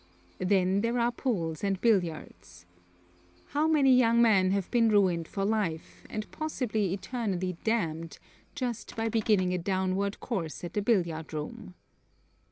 Then there are pool and billiards. How many young men have been ruined for life, and possibly eternally damned, just by beginning a downward course at the billiard room.